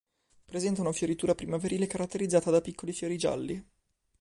Presenta una fioritura primaverile caratterizzata da piccoli fiori gialli.